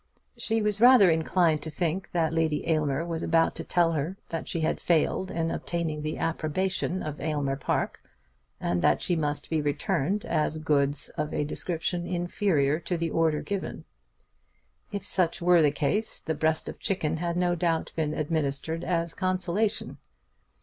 She was rather inclined to think that Lady Aylmer was about to tell her that she had failed in obtaining the approbation of Aylmer Park, and that she must be returned as goods of a description inferior to the order given. If such were the case, the breast of the chicken had no doubt been administered as consolation.